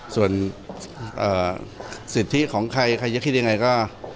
ส่วนสิทธิของใครใครจะคิดยังไงก็